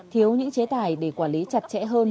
thiếu những chế tài để quản lý chặt chẽ hơn